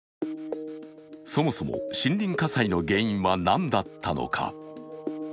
そもそも森林火災の原因は何だったのか。